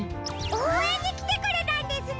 おうえんにきてくれたんですね！